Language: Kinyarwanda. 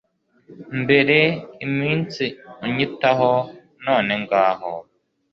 mbere, iminsi unyitaho, none ngaho